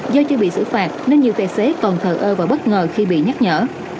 do chưa bị xử phạt nên nhiều tài xế còn thờ ơ và bất ngờ khi bị nhắc nhở